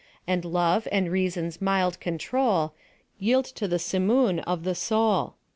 And love, and reason's mild control, Yield to the simoon of the soul